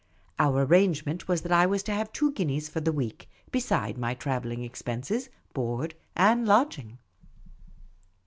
Our ar rangement was that I was to have two guineas for the week, besides my travelHng expenses, board, and lodging.